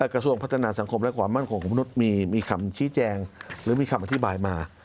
กระทรวงพัฒนาสังคมและความมั่นคงของมนุษย์มีคำชี้แจงหรือมีคำอธิบายมา